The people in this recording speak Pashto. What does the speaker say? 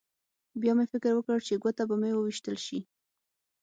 بیا مې فکر وکړ چې ګوته به مې وویشتل شي